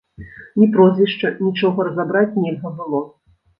Ні прозвішча, нічога разабраць нельга было.